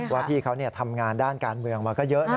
ว่าพี่เขาทำงานด้านการเมืองมาก็เยอะนะ